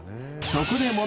［そこで］